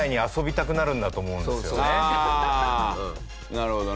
なるほどね。